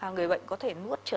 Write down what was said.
người bệnh có thể